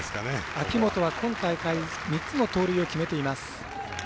秋元は今大会３つの盗塁を決めています。